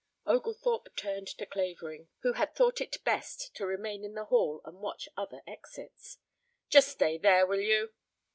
Oglethorpe turned to Clavering, who had thought it best to remain in the hall and watch other exits. "Just stay there, will you?"